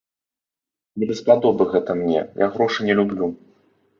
Не даспадобы гэта мне, я грошы не люблю.